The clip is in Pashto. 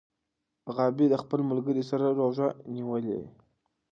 غابي د خپل ملګري سره روژه نیولې.